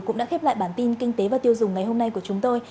cũng đã khép lại bản tin kinh tế và tiêu dùng ngày hôm nay của chúng tôi